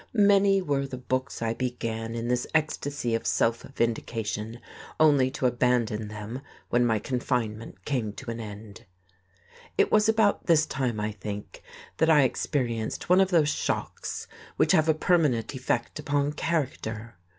Many were the books I began in this ecstasy of self vindication, only to abandon them when my confinement came to an end. It was about this time, I think, that I experienced one of those shocks which have a permanent effect upon character.